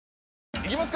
いきますか！